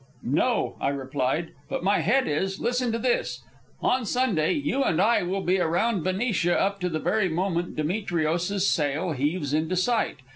"No," I replied, "but my head is. Listen to this. On Sunday you and I will be around Benicia up to the very moment Demetrios's sail heaves into sight.